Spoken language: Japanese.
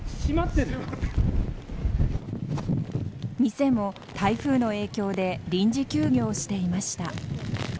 店も台風の影響で臨時休業していました。